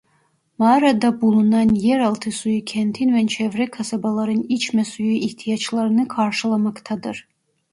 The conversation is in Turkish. Mağarada bulunan yeraltı suyu kentin ve çevre kasabaların içme suyu ihtiyaçlarını karşılamaktadır.